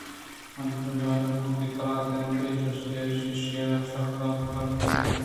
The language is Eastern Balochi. انچوش زانگ بوت کہ قلاتءِ اندری چست ءُایراں ایشیءَ را سک زانت کارکُتگ